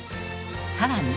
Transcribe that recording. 更に。